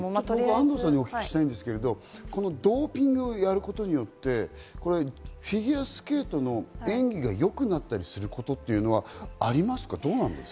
安藤さんにお聞きしたいんですけれども、このドーピングをやることによってフィギュアスケートの演技が良くなったりすることってありますか？